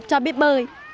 cháu chưa biết bơi